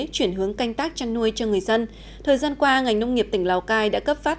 chuyển hướng canh tác chăn nuôi cho người dân thời gian qua ngành nông nghiệp tỉnh lào cai đã cấp phát